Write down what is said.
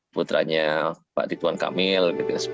putranya pak ridwan kamil